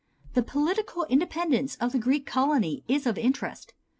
The political independence of the Greek colony is of interest.